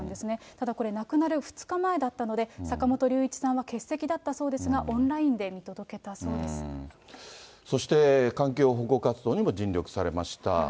ただこれ、亡くなる２日前だったので、坂本龍一さんは欠席だったそうですが、オンラインで見届けそして、環境保護活動にも尽力されました。